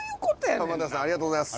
浜田さんありがとうございます。